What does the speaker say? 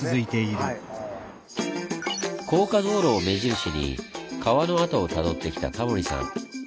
高架道路を目印に川の跡をたどってきたタモリさん。